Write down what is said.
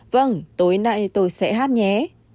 vâng tối nay tôi sẽ hát nhé